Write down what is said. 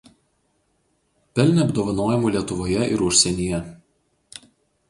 Pelnė apdovanojimų Lietuvoje ir užsienyje.